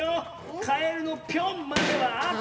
カエルの「ぴょん」まではあってる。